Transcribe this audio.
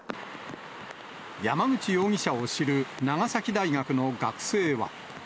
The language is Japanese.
山口容疑者を知る長崎大学の学生は。